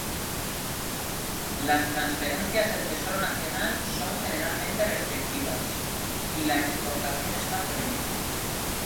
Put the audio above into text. Las transferencias del Tesoro Nacional son generalmente restrictivas, y la exportación está prohibida.